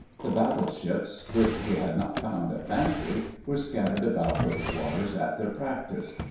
The battleships which we had not found at Bantry were scattered about those waters at their practice.